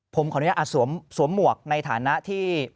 ผมขออนุญาตอาจสวมหมวกในฐานะที่